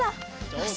よし！